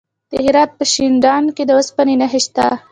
د هرات په شینډنډ کې د اوسپنې نښې شته.